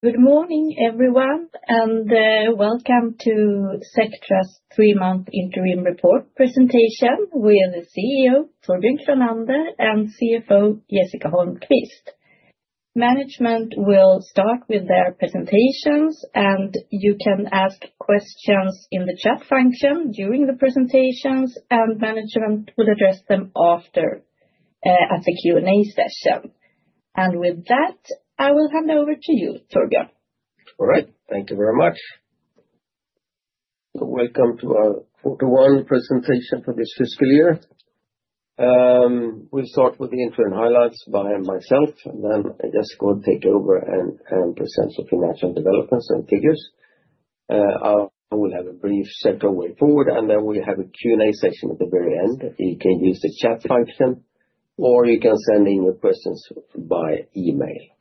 Good morning, everyone, and welcome to Sectra's three month interim report presentation with CEO, Florian Kronander and CFO, Jessica Horne Kvist. Management will start with their presentations, and you can ask questions in the chat function during the presentations, and management will address them after at the Q and A session. And with that, I will hand over to you, Torgio. Alright. Thank you very much. Welcome to our quarter one presentation for this fiscal year. We'll start with the interim highlights by myself, and then Jessica will take over and and present some financial developments and figures. I will have a brief set of way forward, and then we'll have a q and a session at the very end that you can use the chat function, or you can send in your questions by email.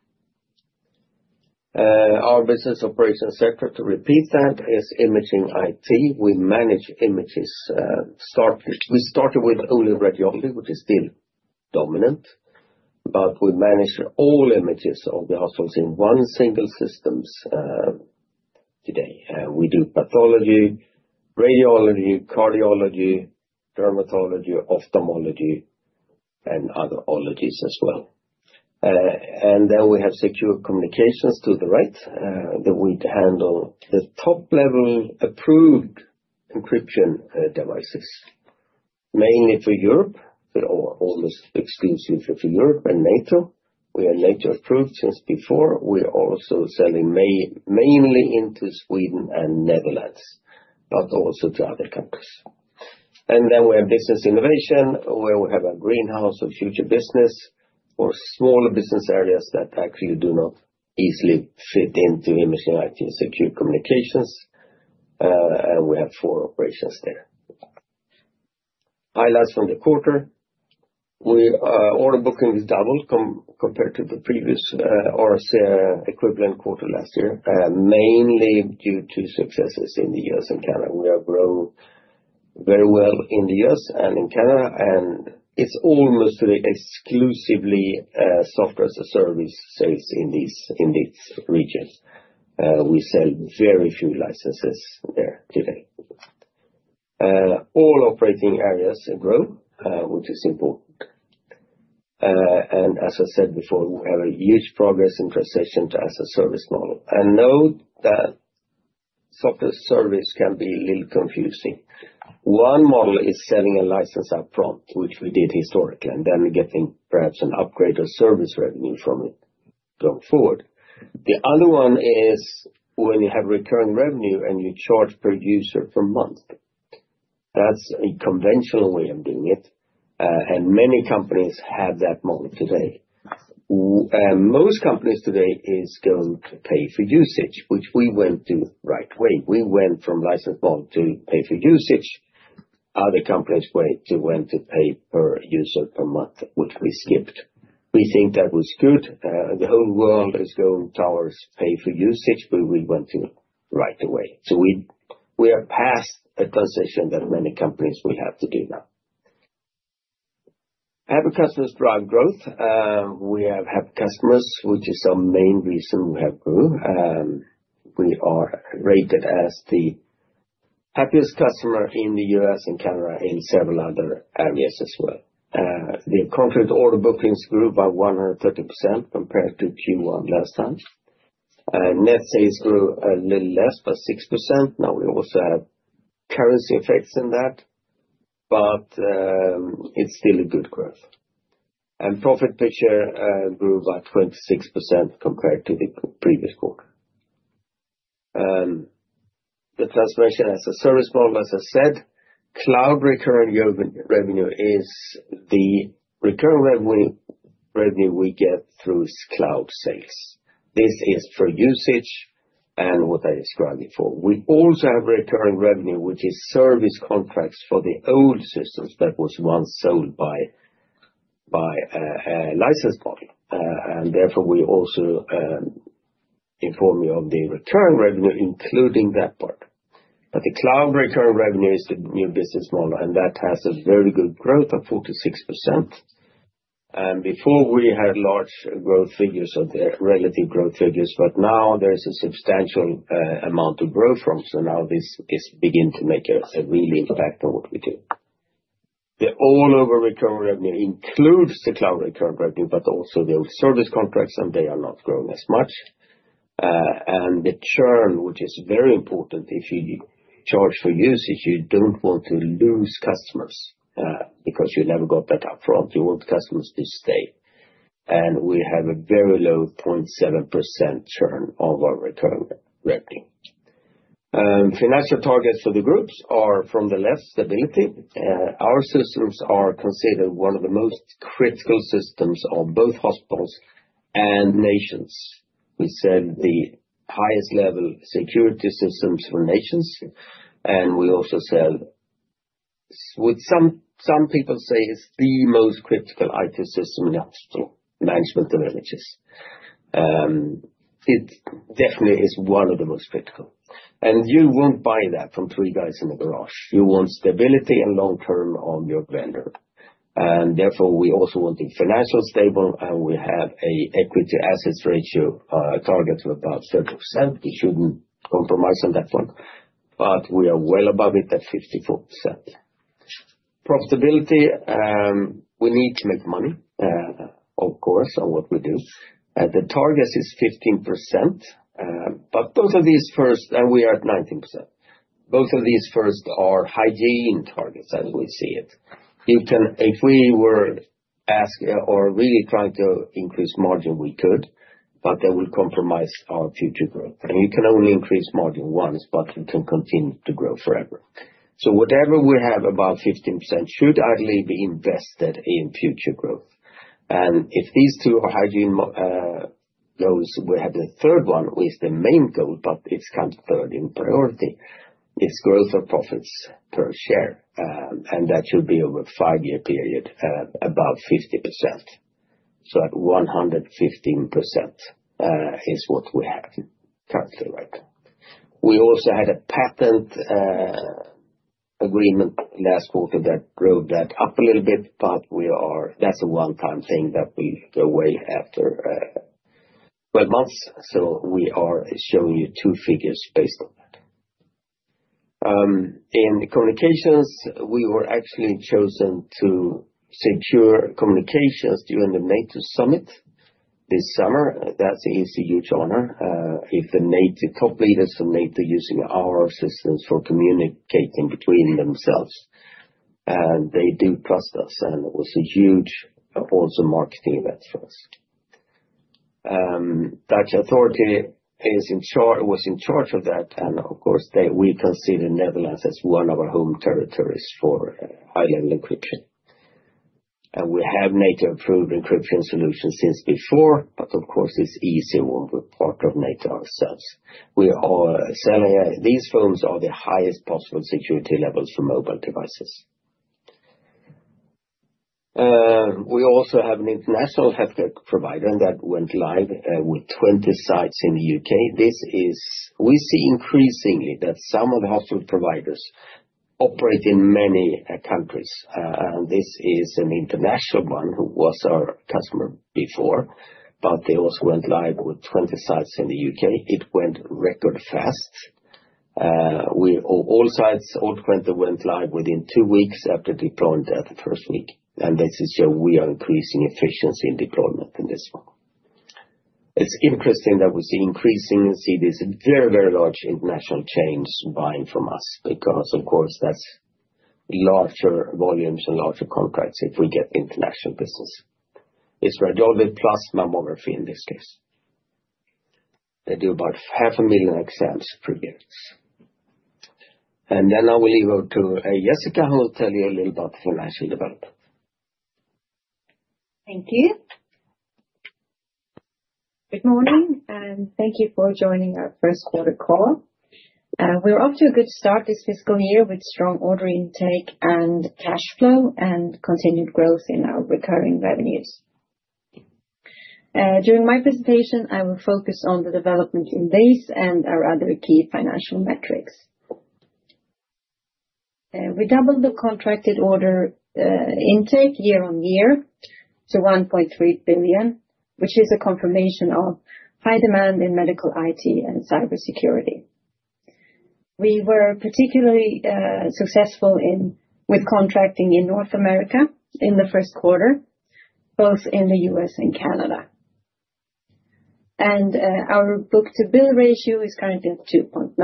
Our business operations sector, to repeat that, is Imaging IT. We manage images. Start we started with only radiology, which is still dominant, but we manage all images of the hospitals in one single systems today. We do pathology, radiology, cardiology, dermatology, ophthalmology, and other ologies as well. And then we have secure communications to the right that we'd handle the top level approved encryption devices, mainly for Europe, but all almost exclusively for Europe and NATO. We are NATO approved since before. We are also selling may mainly into Sweden and Netherlands, but also to other countries. And then we have business innovation where we have a greenhouse of future business or smaller business areas that actually do not easily fit into Imaging IT and Secure Communications. We have four operations there. Highlights from the quarter, we order bookings doubled compared to the previous RSA equivalent quarter last year, mainly due to successes in The US and Canada. We have grown very well in The US and in Canada, and it's almost exclusively software as a service sales in these in these regions. We sell very few licenses there today. All operating areas grow, which is important. And as I said before, we have a huge progress in transition to as a service model. And note that software service can be a little confusing. One model is selling a license upfront, which we did historically, and then we're getting perhaps an upgrade of service revenue from it going forward. The other one is when you have recurring revenue and you charge per user per month. That's a conventional way of doing it, and many companies have that model today. And most companies today is going to pay for usage, which we went to right away. We went from license bond to pay for usage. Other companies went to went to pay per user per month, which we skipped. We think that was good. The whole world is going towards pay for usage, but we want to right away. So we we are past a transition that many companies will have to do now. Happy customers drive growth. We have had customers, which is our main reason we have. We are rated as the happiest customer in The US and Canada in several other areas as well. The contract order bookings grew by 130% compared to q one last time. Net sales grew a little less by 6%. Now we also have currency effects in that, but it's still a good growth. And profit per share grew by 26% compared to the previous quarter. The transformation as a service model, as I said, cloud recurring revenue revenue is the recurring revenue revenue we get through cloud sales. This is for usage and what I described before. We also have recurring revenue, which is service contracts for the old systems that was once sold by by a licensed model. And therefore, we also inform you of the return revenue including that part. But the cloud recurring revenue is the new business model, and that has a very good growth of four to 6%. And before we had large growth figures of the relative growth figures, but now there's a substantial amount of growth from. So now this is begin to make a a real impact on what we do. The all over recurring revenue includes the cloud recurring revenue, but also the old service contracts, and they are not growing as much. And the churn, which is very important if you charge for usage, you don't want to lose customers because you never got that upfront, you want customers to stay. And we have a very low point 7% churn of our return revenue. Financial targets for the groups are from the less stability. Our systems are considered one of the most critical systems of both hospitals and nations. We said the highest level security systems for nations, and we also said with some some people say it's the most critical IT system in the hospital, management of villages. It definitely is one of the most critical. And you won't buy that from three guys in the garage. You want stability and long term on your vendor. And therefore, we also want it financial stable, and we have a equity assets ratio target of about 30%. We shouldn't compromise on that one, but we are well above it at 54%. Profitability, we need to make money, of course, on what we do. And the target is 15%, but both of these first and we are at 19%. Both of these first are hygiene targets as we see it. You can if we were asking or really trying to increase margin, we could, but that will compromise our future growth. And you can only increase margin once, but it can continue to grow forever. So whatever we have above 15% should ideally be invested in future growth. And if these two are hygiene those will have the third one, which is the main goal, but it's kind of third in priority. It's growth of profits per share, and that should be over a five year period above 50%. So at 115% is what we have currently right now. We also had a patent agreement last quarter that drove that up a little bit, but we are that's a one time thing that we go away after twelve months. So we are showing you two figures based on that. In communications, we were actually chosen to secure communications during the NATO Summit this summer. That's a huge honor. The NATO top leaders of NATO using our systems for communicating between themselves, and they do trust us. It was a huge, also, marketing event for us. Dutch authority is in charge was in charge of that. And, of course, they we consider Netherlands as one of our home territories for high level encryption. And we have NATO approved encryption solutions since before, but, of course, it's easier when we're part of NATO ourselves. We are selling these phones are the highest possible security levels for mobile devices. We also have an international healthcare provider and that went live with 20 sites in The UK. This is we see increasingly that some of the hospital providers operate in many countries. This is an international one who was our customer before, but they also went live with 20 sites in The UK. It went record fast. We all sites, all 20 went live within two weeks after deploying that first week. And this is so we are increasing efficiency in deployment in this one. It's interesting that we see increasing see this very, very large international chains buying from us because, of course, that's larger volumes and larger contracts if we get international business. It's redolvent plus mammography in this case. They do about half a million exams per year. And then I will leave her to Jessica, will tell you a little about financial development. Thank you. Good morning, and thank you for joining our first quarter call. We're off to a good start this fiscal year with strong order intake and cash flow and continued growth in our recurring revenues. During my presentation, I will focus on the development in base and our other key financial metrics. We doubled the contracted order intake year on year to 1,300,000,000.0, which is a confirmation of high demand in medical IT and cybersecurity. We were particularly successful in with contracting in North America in the first quarter, both in The US and Canada. And our book to bill ratio is currently at 2.9,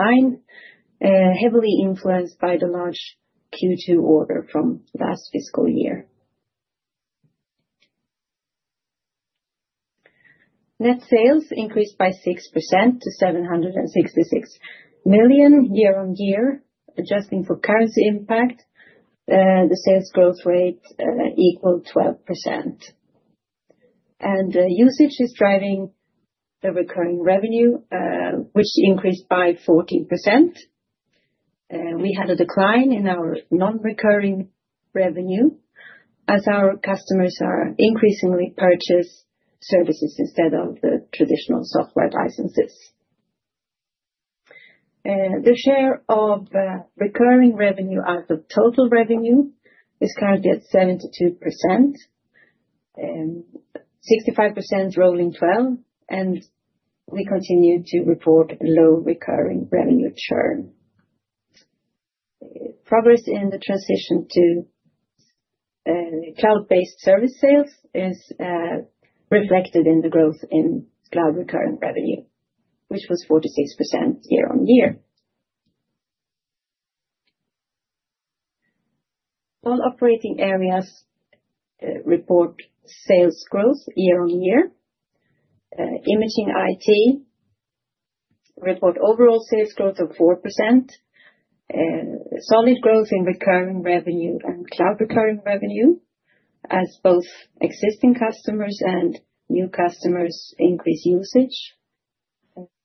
heavily influenced by the large Q2 order from last fiscal year. Net sales increased by 6% to $766,000,000 year on year, adjusting for currency impact, the sales growth rate equaled 12%. And usage is driving the recurring revenue, which increased by 14%. We had a decline in our non recurring revenue as our customers are increasingly purchase services instead of the traditional software licenses. The share of recurring revenue out of total revenue is currently at 7265% rolling 12, and we continue to report low recurring revenue churn. Progress in the transition to cloud based service sales is reflected in the growth in cloud recurring revenue, which was 46% year on year. All operating areas report sales growth year on year. Imaging IT report overall sales growth of 4%, solid growth in recurring revenue and cloud recurring revenue as both existing customers and new customers increase usage,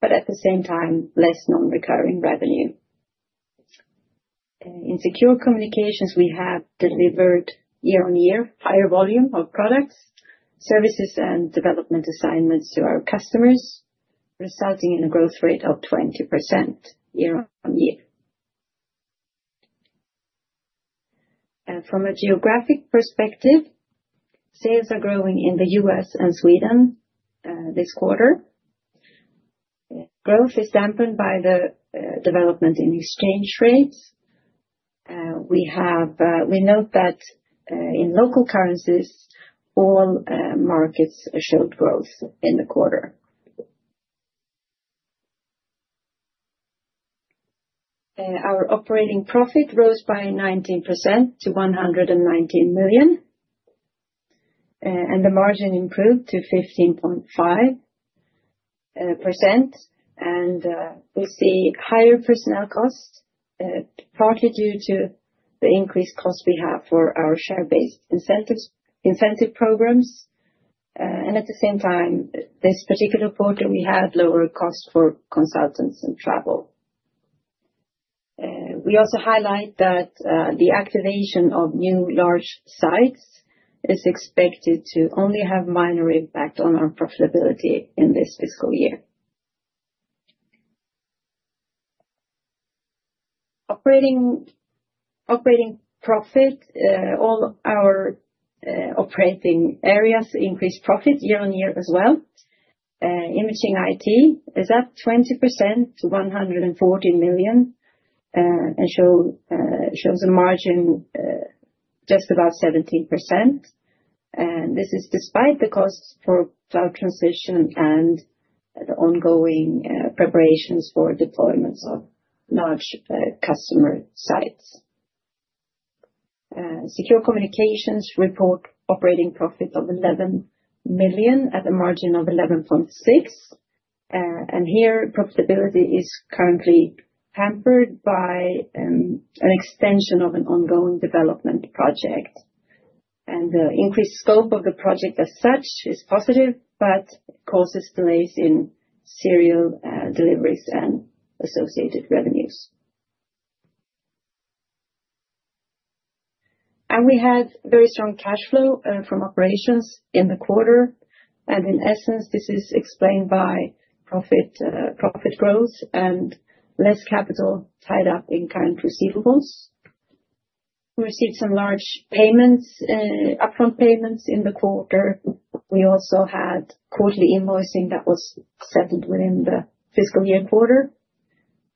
but at the same time, non recurring revenue. In secure communications, we have delivered year on year higher volume of products, services and development assignments to our customers, resulting in a growth rate of 20% year on year. From a geographic perspective, sales are growing in The US and Sweden this quarter. Growth is dampened by the development in exchange rates. We note that in local currencies, all markets showed growth in the quarter. Our operating profit rose by 19% to 119 million and the margin improved to 15.5%. And we see higher personnel costs partly due to the increased cost we have for our share based incentive programs. And at the same time, this particular quarter, we had lower costs for consultants and travel. We also highlight that the activation of new large sites is expected to only have minor impact on our profitability in this fiscal year. Operating profit, all of our operating areas increased profit year on year as well. Imaging IT is up 20% to 140,000,000 and show shows a margin just about 17%. And this is despite the costs for cloud transition and ongoing preparations for deployments of large customer sites. Secure Communications report operating profit of 11,000,000 at a margin of 11.6. And here, profitability is currently hampered by an extension of an ongoing development project. And the increased scope of the project as such is positive, but causes delays in serial deliveries and associated revenues. And we had very strong cash flow from operations in the quarter. And in essence, this is explained by profit growth and less capital tied up in current receivables. We received some large payments, upfront payments in the quarter. We also had quarterly invoicing that was settled within the fiscal year quarter.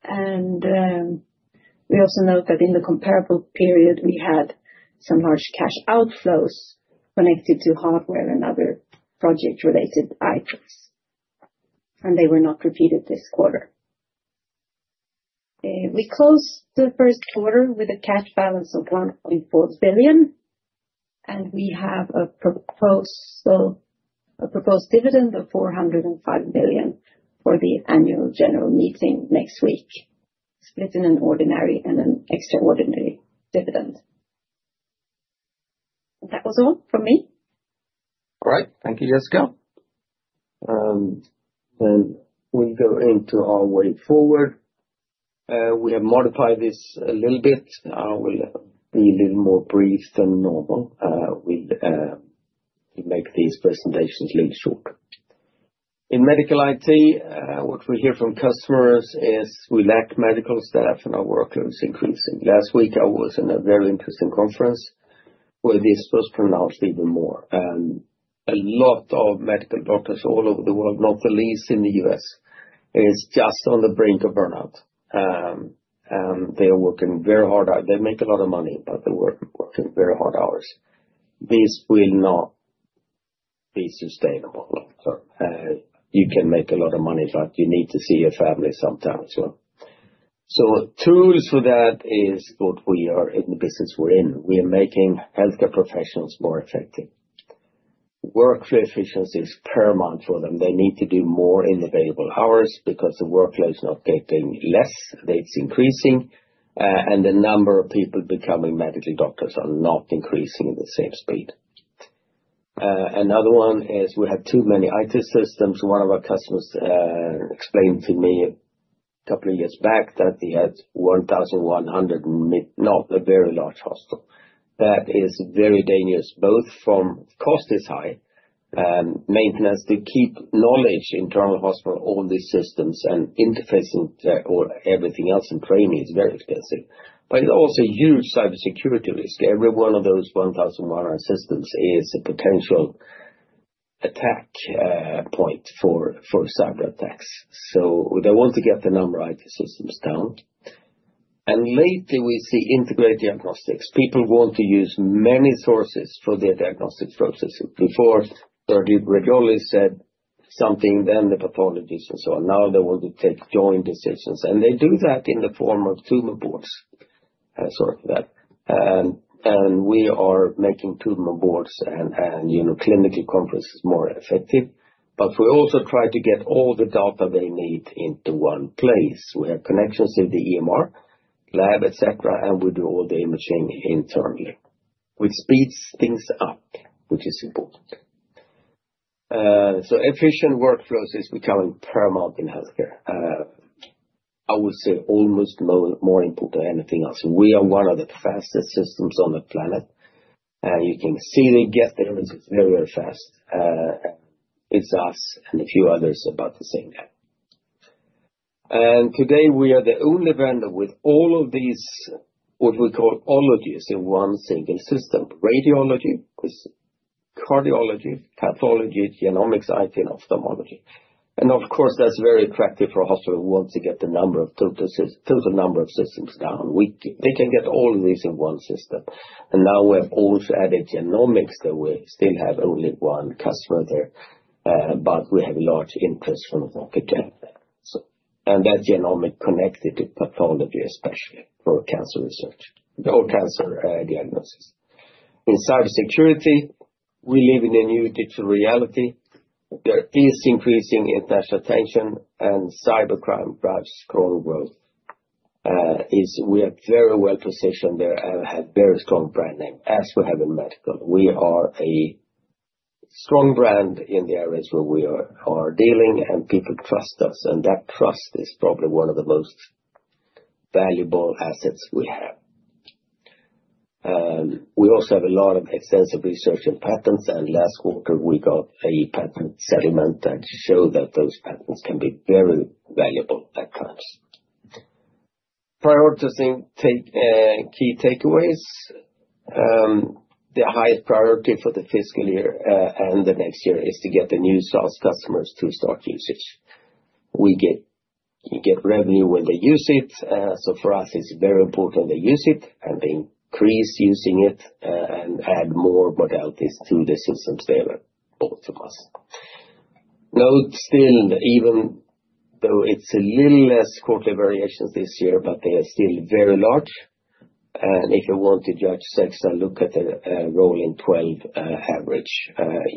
And we also note that in the comparable period, we had some large cash outflows connected to hardware and other project related items, and they were not repeated this quarter. We closed the first quarter with a cash balance of 1,400,000,000.0, and we have a proposal a proposed dividend of 405,000,000,000 for the annual general meeting next week, splitting an ordinary and an extraordinary dividend. That was all from me. Alright. Thank you, Jessica. And we'll go into our way forward. We have modified this a little bit. I will be a little more brief than normal with to make these presentations a little short. In medical IT, what we hear from customers is we lack medical staff and our workload is increasing. Last week, I was in a very interesting conference where this was pronounced even more. And a lot of medical doctors all over the world, not the least in The US, is just on the brink of burnout. They are working very hard. They make a lot of money, but they work working very hard hours. This will not be sustainable. You can make a lot of money, but you need to see your family sometimes. So tools for that is what we are in the business we're in. We are making health care professionals more effective. Workflow efficiency is paramount for them. They need to do more in available hours because the workplace is not getting less. It's increasing. And the number of people becoming medical doctors are not increasing at the same speed. Another one is we have too many IT systems. One of our customers explained to me a couple of years back that we had 1,100 mid not a very large hospital. That is very dangerous both from cost is high and maintenance to keep knowledge internal hospital, all these systems and interface and or everything else and training is very expensive. But it also use cybersecurity risk. Every one of those 1,000 mile an hour systems is a potential attack point for for cyber attacks. So they want to get the number IT systems down. And lately, see integrated diagnostics. People want to use many sources for their diagnostic processes. Before, Sergio Grigoli said something then the pathologist and so on. Now they want to take joint decisions. And they do that in the form of tumor boards, sort of that. And we are making tumor boards and you know, clinical conferences more effective. But we also try to get all the data they need into one place. We have connections to the EMR, lab, etcetera, and we do all the imaging internally, which speeds things up, which is important. So efficient workflows is becoming paramount in health care. I would say almost more more important than anything else. We are one of the fastest systems on the planet, and you can see they get there very, fast. It's us and a few others about the same. And today, we are the only vendor with all of these, what we call ologies in one single system. Radiology is cardiology, pathology, genomics, IT, and ophthalmology. And of course, that's very attractive for a hospital who wants to get the number of total number of systems down. We they can get all of these in one system. And now we have also added genomics that we still have only one customer there, but we have a large interest from the market. And that genomic connected to pathology, for cancer research, the whole cancer diagnosis. In cybersecurity, we live in a new digital reality. There is increasing international tension and cybercrime drives growth is we are very well positioned there and have very strong brand name as we have in medical. We are a strong brand in the areas where we are are dealing and people trust us, and that trust is probably one of the most valuable assets we have. And We also have a lot of extensive research and patents and last quarter we got a patent settlement that show that those patents can be very valuable at times. Prioritizing key takeaways, The highest priority for the fiscal year and the next year is to get the new SaaS customers to start usage. We get get revenue when they use it. So for us, it's very important they use it and they increase using it and add more modalities to the systems there, both of us. Note still even though it's a little less quarterly variations this year, but they are still very large. And if you want to judge sex and look at the rolling 12 average,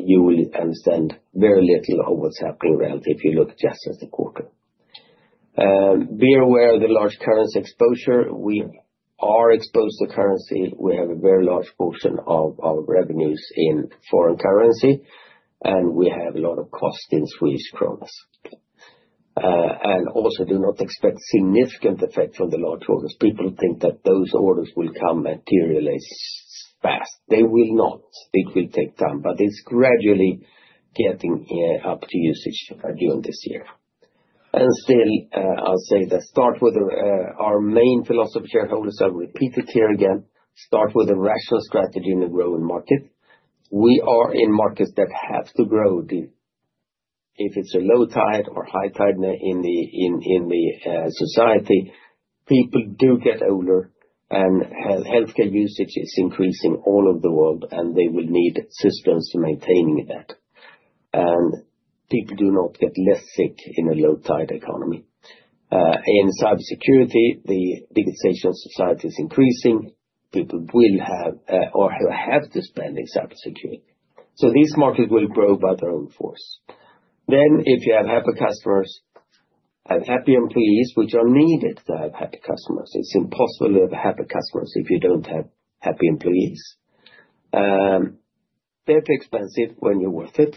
you will understand very little of what's happening relative if you look just as a quarter. Be aware of the large currency exposure, we are exposed to currency, we have a very large portion of our revenues in foreign currency. And we have a lot of cost in Swedish krona. And also do not expect significant effect from the large orders, people think that those orders will come materially fast. They will not. It will take time, but it's gradually getting up to usage during this year. And still, I'll say that start with our main philosophy shareholders, I'll repeat it here again, start with a rational strategy in a growing market. We are in markets that have to grow deep. If it's a low tide or high tide in the society, people do get older and health health care usage is increasing all over the world, and they will need systems to maintaining that. And people do not get less sick in a low tide economy. In cybersecurity, the digitization of society is increasing. People will have or who have to spend in cybersecurity. So this market will grow by their own force. Then if you have happy customers and happy employees, which are needed to have happy customers, it's impossible to have happy customers if you don't have happy employees. They're too expensive when you're worth it,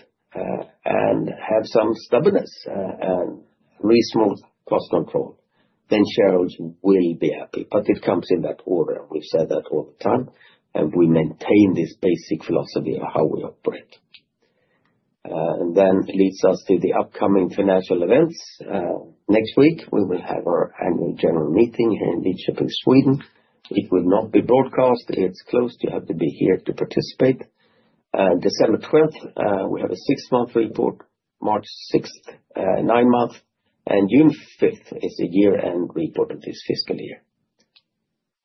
and have some stubbornness reasonable cost control, then shareholders will be happy. But it comes in that order. We've said that all the time, and we maintain this basic philosophy of how we operate. And then leads us to the upcoming financial events. Next week, we will have our annual general meeting in Leedsburg, Sweden. It would not be broadcast. It's closed. You have to be here to participate. December 12, we have a six month report. March 6, nine month. And June 5 is the year end report of this fiscal year.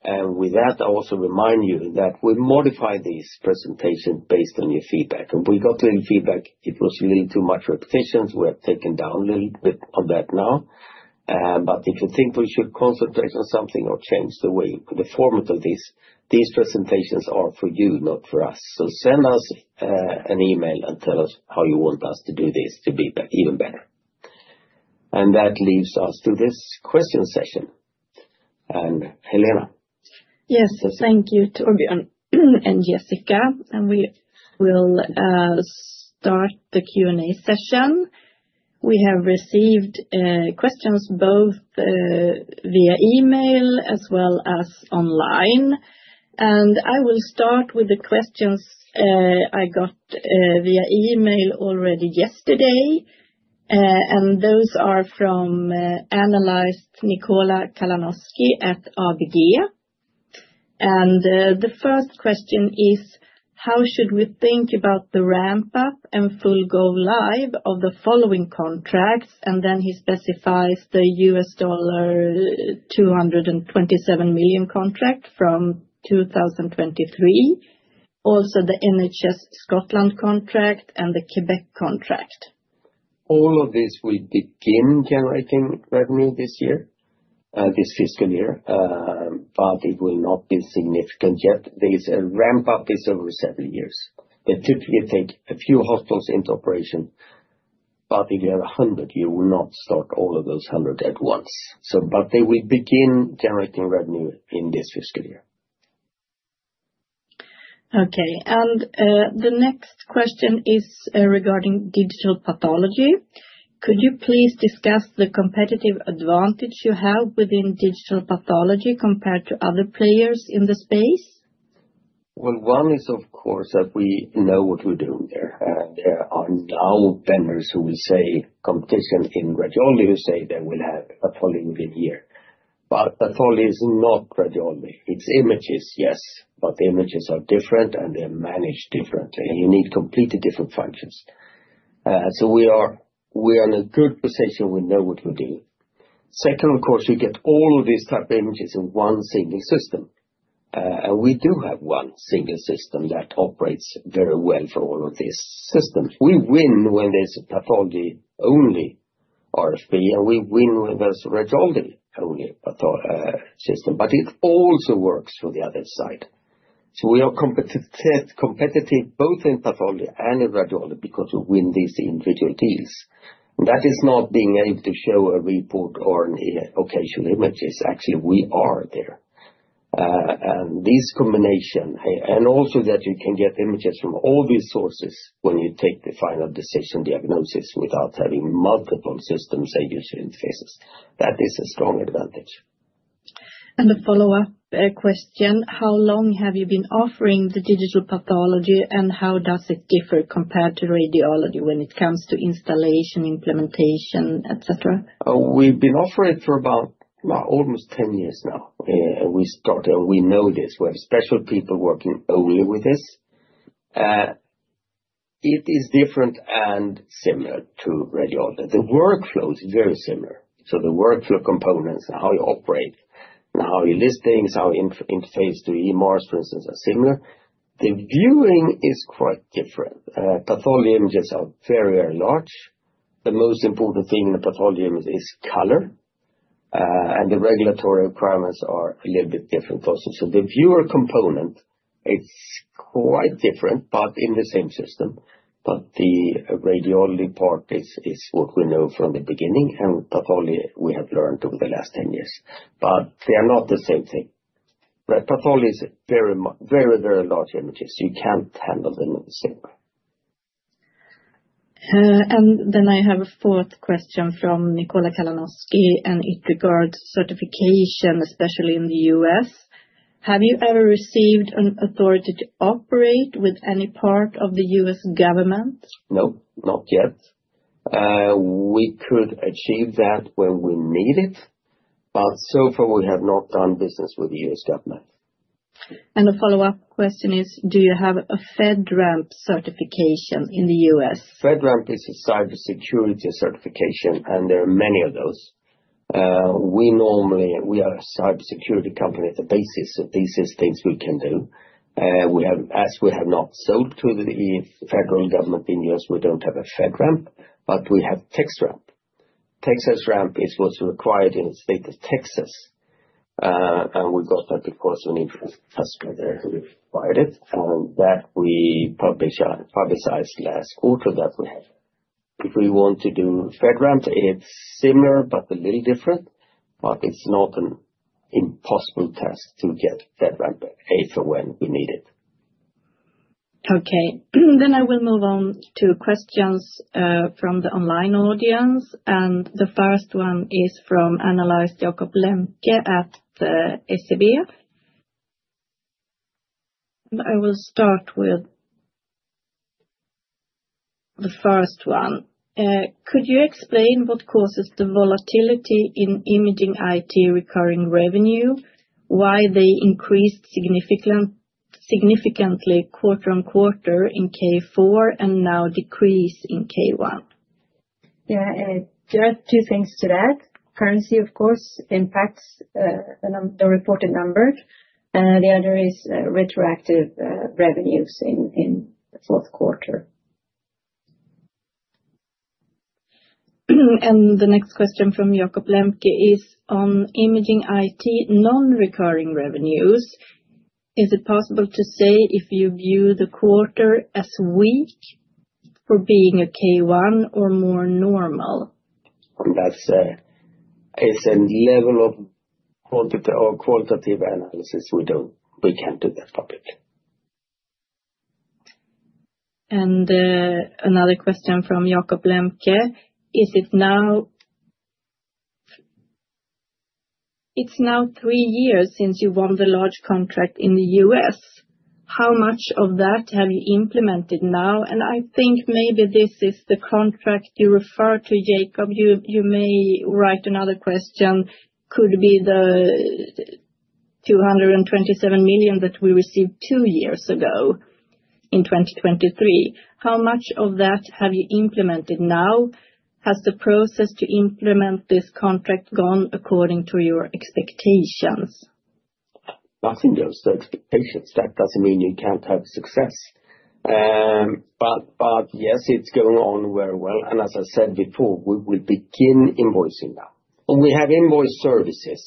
And with that, I also remind you that we modify this presentation based on your feedback. When we got to any feedback, it was really too much repetitions. We have taken down a little bit of that now. But if you think we should concentrate on something or change the way the format of these, these presentations are for you, not for us. So send us an email and tell us how you want us to do this to be even better. And that leaves us to this question session. And Helena? Yes. Thank you to Orbi and Jessica. And we will start the Q and A session. We have received questions both via email as well as online. And I will start with the questions, I got, via email already yesterday. And those are from, analyzed Nikola Kalanowski at AGGEA. And the first question is, how should we think about the ramp up and full go live of the following contracts? And then he specifies the million dollars contract from 2023, also the NHS Scotland contract and the Quebec contract. All of this will begin generating revenue this year, this fiscal year, but it will not significant yet. Is a ramp up is over several years. It typically take a few hospitals into operation, but if you have a 100, you will not start all of those 100 at once. So but they will begin generating revenue in this fiscal year. Okay. And, the next question is regarding digital pathology. Could you please discuss the competitive advantage you have within digital pathology compared to other players in the space? Well, one is, of course, that we know what we're doing there. And there are now vendors who will say competition in gradually, who say they will have a polymorphia here. But pathology is not gradually. It's images. Yes. But the images are different, and they're managed differently. You need completely different functions. So we are we are in a good position. We know what we're doing. Second, of course, you get all of these type of images in one single system. And we do have one single system that operates very well for all of these systems. We win when there's a pathology only RFP, and we win when there's Rijaldi only system, but it also works for the other side. So we are competitive both in pathology and in radiology because we win these individual deals. That is not being able to show a report or an occasional images, actually we are there. This combination and also that you can get images from all these sources when you take the final decision diagnosis without having multiple systems and user interfaces. That is a strong advantage. And the follow-up question, how long have you been offering the digital pathology and how does it differ compared to radiology when it comes to installation, implementation, etcetera? We've been offering for about almost ten years now. We started we know this. We have special people working only with this. It is different and similar to ReadyOlda. The workflow is very similar. So the workflow components and how you operate, and how you list things, how in interface to EMARS, for instance, are similar. The viewing is quite different. Pathology images are very, very large. The most important thing in the pathology image is color, and the regulatory requirements are a little bit different also. So the viewer component, it's quite different, but in the same system. But the radiology part is is what we know from the beginning, and pathology, we have learned over the last ten years. But they are not the same thing. Right? Pathology is very very, very large images. You can't handle them. And then I have a fourth question from Nikola Kalanowski, and it regards certification, especially in The US. Have you ever received an authority to operate with any part of the US government? No. Not yet. We could achieve that when we need it. But so far, we have not done business with the US government. And a follow-up question is, do you have a FedRAMP certification in The US? FedRAMP is a cybersecurity certification and there are many of those. We normally we are a cybersecurity company at the basis of these things we can do. We have as we have not sold to the federal government in US, we don't have a FedRAMP, but we have TEXRAMP. TEXRAMP is what's required in the state of Texas. And we've got that, of course, an interest customer there And that we published our publicized last quarter that we had. If we want to do FedRAMP, it's similar, but a little different. But it's not an impossible task to get FedRAMP if or when we need it. Okay. Then I will move on to questions, from the online audience. And the first one is from analyst Jokop Lemke at SEBF. I will start with the first one. Could you explain what causes the volatility in Imaging IT recurring revenue? Why they increased significantly quarter on quarter in k four and now decrease in k one? Yeah. There are two things to that. Currency, of course, impacts the reported numbers. And the other is retroactive revenues in the fourth quarter. And the next question from Jakob Lemke is on Imaging IT non recurring revenues. Is it possible to say if you view the quarter as weak for being a k one or more normal? That's a it's a level of quality or qualitative analysis. We don't we can't do that properly. And another question from Jacob Lemke. Is it now it's now three years since you won the large contract in The U. S. How much of that have you implemented now? And I think maybe this is the contract you referred to, Jacob. You may write another question, could be the million that we received two years ago in 2023. How much of that have you implemented now? Has the process to implement this contract gone according to your expectations? Nothing goes to expectations. That doesn't mean you can't have success. But but yes, it's going on very well. And as I said before, we will begin invoicing that. And we have invoice services,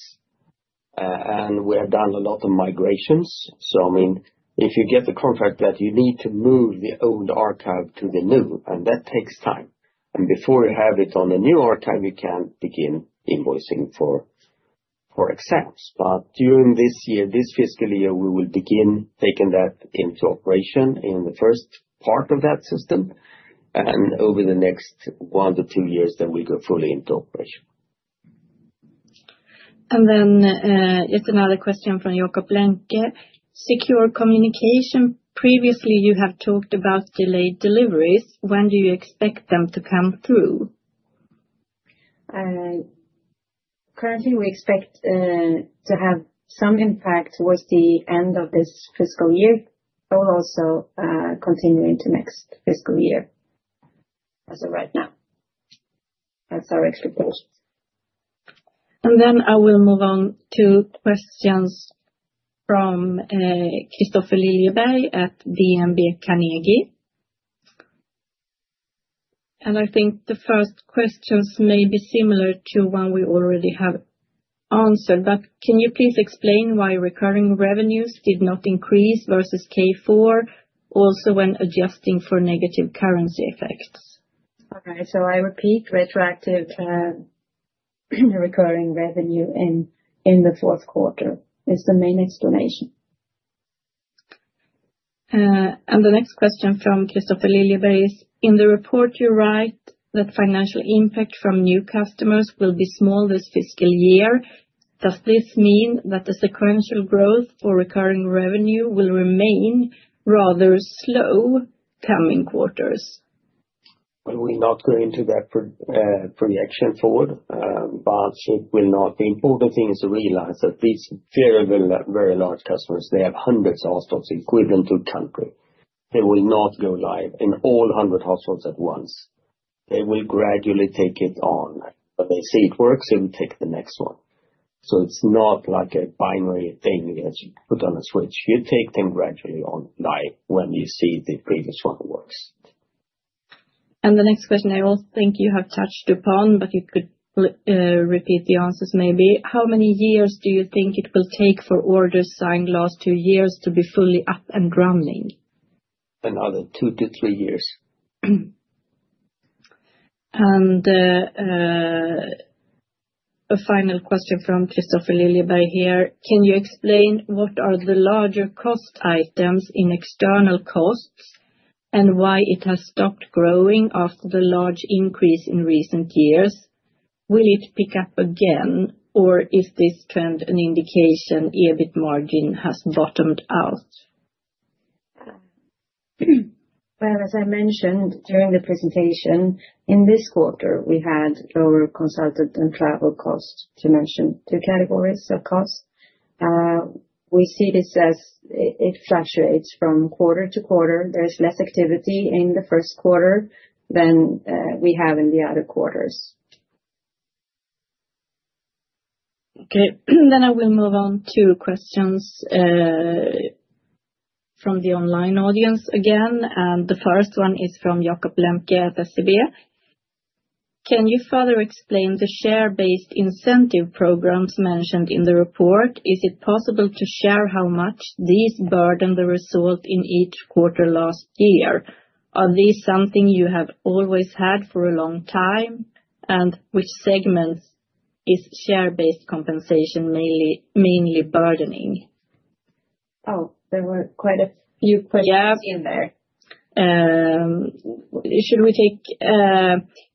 and we have done a lot of migrations. So, I mean, if you get the contract that you need to move the old archive to the new, and that takes time. And before you have it on a new archive, you can begin invoicing for exams. But during this year, this fiscal year, we will begin taking that into operation in the first part of that system and over the next one to two years that we go fully into operation. And then, it's another question from Jokoplenke. Secure communication, previously you have talked about delayed deliveries. When do you expect them to come through? Currently, we expect to have some impact towards the end of this fiscal year, but also continue into next fiscal year as of right now. That's our extra post. And then I will move on to questions from Christophe Lilleberg at BNB Carnegie. And I think the first questions may be similar to one we already have answered. But can you please explain why recurring revenues did not increase versus K4 also when adjusting for negative currency effects? Okay. So I repeat retroactive recurring revenue in in the fourth quarter is the main explanation. And the next question from Christopher Lillebeys. In the report, you write that financial impact from new customers will be small this fiscal year. Does this mean that the sequential growth for recurring revenue will remain rather slow coming quarters? We will not go into that for the action forward, but it will not the important thing is to realize that these very, very large customers, they have hundreds of hospitals equivalent to country. They will not go live in all 100 hospitals at once. They will gradually take it on. But they see it works, they will take the next one. So it's not like a binary thing that you put on a switch. You take them gradually on live when you see the previous one works. And the next question I don't think you have touched upon, but you could repeat the answers maybe. How many years do you think it will take for orders signed last two years to be fully up and running? Another two to three years. And a final question from Christopher Lillebay here. Can you explain what are the larger cost items in external costs and why it has stopped growing after the large increase in recent years? Will it pick up again? Or is this trend an indication EBIT margin has bottomed out? Well, as I mentioned during the presentation, in this quarter, we had lower consultant and travel costs, to mention two categories of costs. We see this as it fluctuates from quarter to quarter. There's less activity in the first quarter than we have in the other quarters. Okay. Then I will move on to questions from the online audience again. The first one is from Jakob Lemke at SEB. Can you further explain the share based incentive programs mentioned in the report? Is it possible to share how much these burden the result in each quarter last year? Are these something you have always had for a long time, and which segments is share based compensation mainly mainly burdening? Oh, there were quite a You put Yeah. In there. Should we take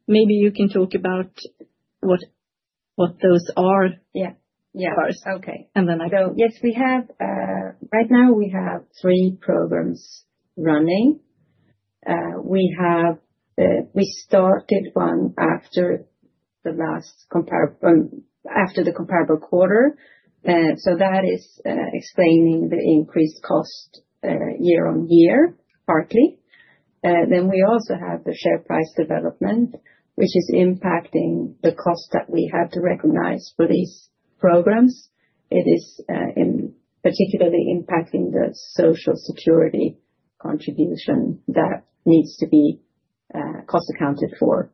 maybe you can talk about what what those are Yeah. Yeah. First. Okay. And then I can So, yes, we have right now, we have three programs running. We have we started one after the last compare after the comparable quarter. And so that is explaining the increased cost year on year partly. And then we also have the share price development, which is impacting the cost that we have to recognize for these programs. It is in particularly impacting the social security contribution that needs to be cost accounted for.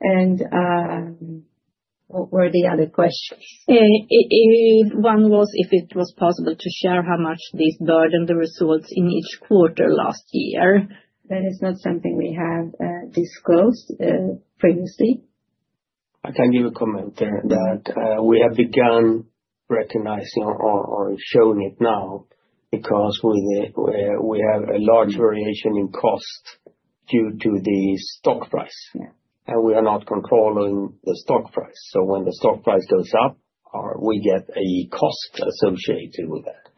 And what were the other questions? One was if it was possible to share how much this burden the results in each quarter last year. That is not something we have disclosed previously. I can give a comment there that we have begun recognizing or or showing it now because we we have a large variation in cost due to the stock price. Yeah. And we are not controlling the stock price. So when the stock price goes up, we get a cost associated with that.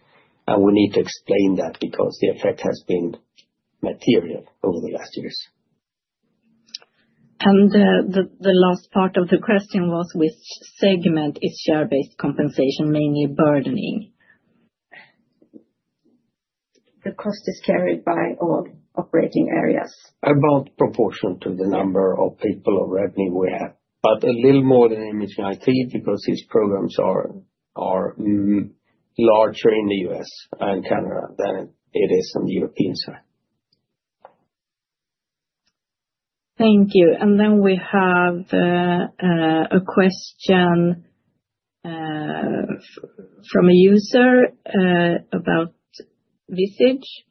And we need to explain that because the effect has been material over the last years. And the the the last part of the question was which segment is share based compensation mainly burdening? The cost is carried by all operating areas. About proportion to the number of people already we have, but a little more than image and IT because these programs are are larger in The US and Canada than it is in the European side. Thank you. And then we have a question from a user about Visage.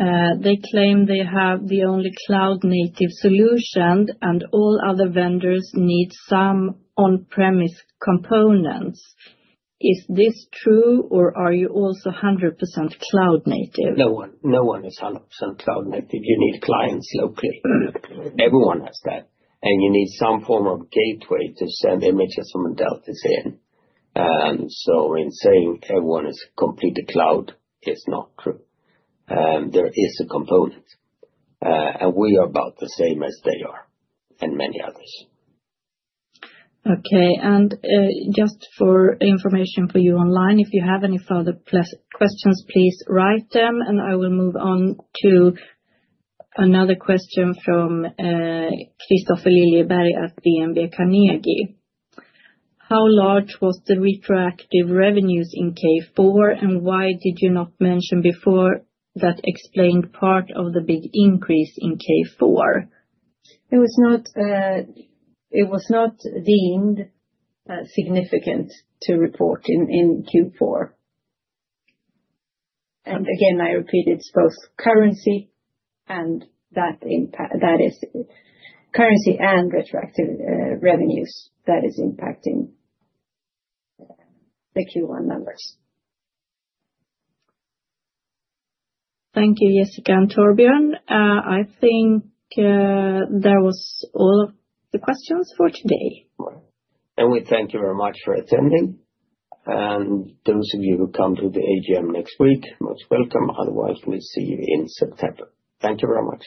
They claim they have the only cloud native solution and all other vendors need some on premise components. Is this true or are you also 100% cloud native? No one is percent cloud native. You need clients locally. Everyone has that. And you need some form of gateway to send images from a Delta's in. And so in saying everyone is complete to cloud, it's not true. And there is a component, and we are about the same as they are and many others. Okay. And, just for information for you online, if you have any further questions, please write them. And I will move on to another question from Christophel Lilleberg at BNB Carnegie. How large was the retroactive revenues in K4? And why did you not mention before that explained part of the big increase in K4? It was not deemed significant to report in Q4. And again, repeat, it's both currency and impact that is currency and retroactive revenues that is impacting the Q1 numbers. Thank you, Jessica and Torbjorn. I think that was all of the questions for today. And we thank you very much for attending. And those of you who come to the AGM next week, much welcome. Otherwise, we'll see you in September. Thank you very much.